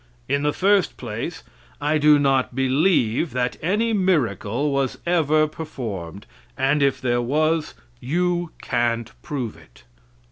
In the first place, I do not believe that any miracle was ever performed, and if there was, you can't prove it.